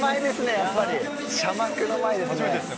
やっぱり紗幕の前ですね。